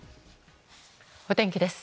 お天気です。